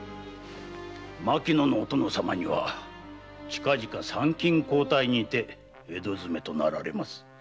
牧野のお殿様には近々参勤交代にて江戸詰めとなられます。